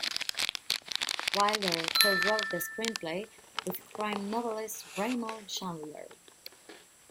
Wilder co-wrote the screenplay with crime novelist Raymond Chandler.